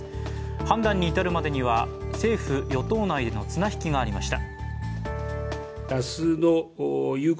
判断に至るまでは政府・与党内での綱引きがありました。